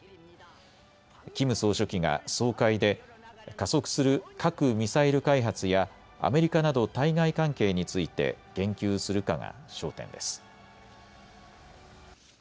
キム総書記が総会で加速する核・ミサイル開発やアメリカなど対外関係について言及するかが焦点です。